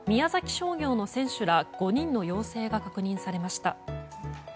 商業の選手ら５人の陽性が確認されました。